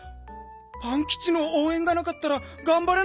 パンキチのおうえんがなかったらがんばれなかった。